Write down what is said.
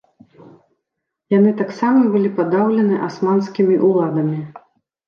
Яны таксама былі падаўлены асманскімі ўладамі.